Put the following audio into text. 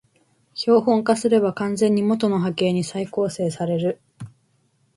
標本化すれば完全に元の波形に再構成される